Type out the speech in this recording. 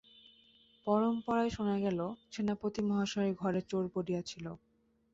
পরম্পরায় শুনা গেল সেনাপতি মহাশয়ের ঘরে চোর পড়িয়াছিল।